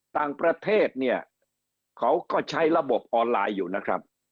ต่างประเทศเนี่ยเขาก็ใช้ระบบออนไลน์อยู่นะครับ